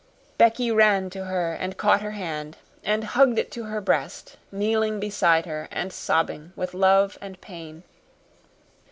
Becky ran to her and caught her hand, and hugged it to her breast, kneeling beside her and sobbing with love and pain.